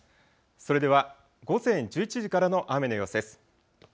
それでは午前１１時からの雨の様子です。